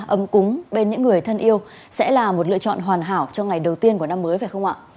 ấm cúng bên những người thân yêu sẽ là một lựa chọn hoàn hảo cho ngày đầu tiên của năm mới phải không ạ